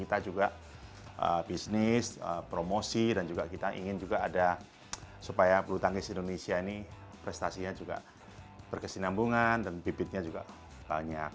kita juga bisnis promosi dan juga kita ingin juga ada supaya bulu tangkis indonesia ini prestasinya juga berkesinambungan dan bibitnya juga banyak